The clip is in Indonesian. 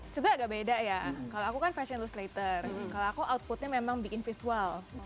sebenarnya agak beda ya kalau aku kan fashion ilust rater kalau aku outputnya memang bikin visual